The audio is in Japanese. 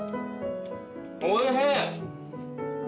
おいしい。